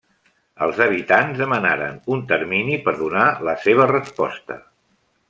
Els habitants demanaren un termini per donar la seva resposta.